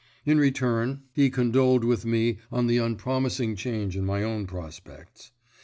In return, he condoled with me on the unpromising change in my own prospects.